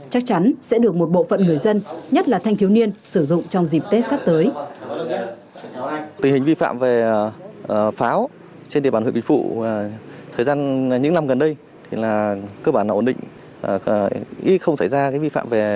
chắc chắn sẽ được một bộ phận người dân nhất là thanh thiếu niên sử dụng trong dịp tết sắp tới